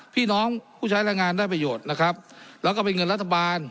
พี่น้องผู้ใช้แรงงานได้ประโยชน์นะครับแล้วก็เป็นเงินรัฐบาล